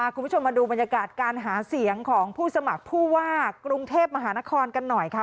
คุณผู้ชมมาดูบรรยากาศการหาเสียงของผู้สมัครผู้ว่ากรุงเทพมหานครกันหน่อยค่ะ